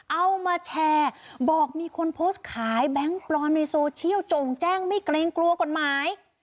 เอามาแชร์บอกมีคนโพสต์ขายแบงค์ปลอมในโซเชียลจงแจ้งไม่เกรงกลัวกฎหมาย